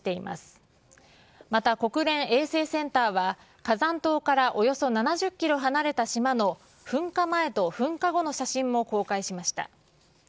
また、国連衛星センターは、火山島からおよそ７０キロ離れた島の噴火前と噴火後の写真も公開しました。